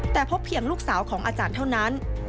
แต่พบเพียงลูกสาวของอาจารย์เท่านั้น